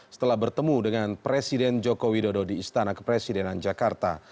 setelah bertemu dengan presiden joko widodo di istana kepresidenan jakarta